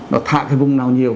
nó thạ cái vùng nào nhiều